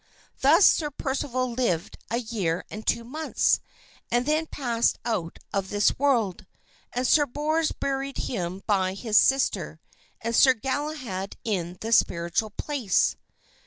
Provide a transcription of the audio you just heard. Thus Sir Percival lived a year and two months, and then passed out of this world, and Sir Bors buried him by his sister and Sir Galahad in the spiritual place.